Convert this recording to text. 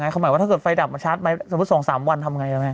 หมายว่าถ้าเกิดไฟดับมาชาร์จไหมสมมุติ๒๓วันทำยังไง